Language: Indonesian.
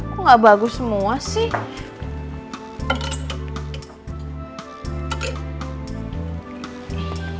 kok gak bagus semua sih